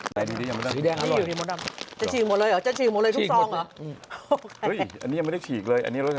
สีแดงอร่อยจะฉีกหมดเลยหรอจะฉีกหมดเลยทุกซองเหรออันนี้ยังไม่ได้ฉีกเลย